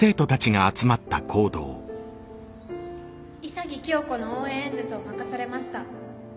潔清子の応援演説を任されました阿瀬です。